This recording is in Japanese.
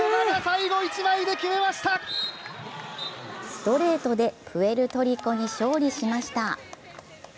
ストレートでプエルトリコに勝利しました。